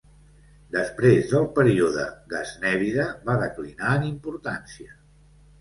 Després del període gaznèvida va declinar en importància.